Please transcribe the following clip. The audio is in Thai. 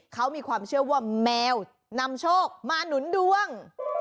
เขามีความเชื่อว่าแมวนำโชคมาหนุนดวง